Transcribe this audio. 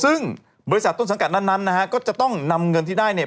ซึ่งบริษัทต้นสังกัดนั้นก็จะต้องนำเงินที่ได้